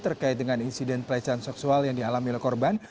terkait dengan insiden pelecehan seksual yang dialami oleh korban